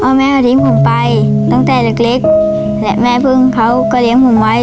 แม่ก็ทิ้งผมไปตั้งแต่เล็กเล็กและแม่พึ่งเขาก็เลี้ยงผมไว้